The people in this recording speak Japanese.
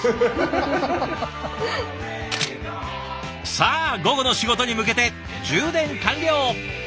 さあ午後の仕事に向けて充電完了。